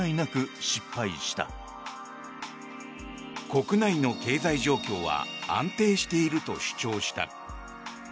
国内の経済状況は安定していると主張した。